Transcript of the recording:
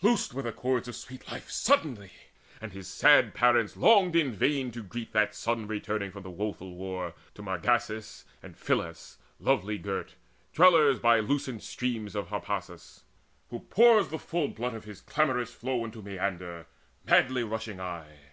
Loosed were the cords of sweet life suddenly, And his sad parents longed in vain to greet That son returning from the woeful war To Margasus and Phyllis lovely girt, Dwellers by lucent streams of Harpasus, Who pours the full blood of his clamorous flow Into Maeander madly rushing aye.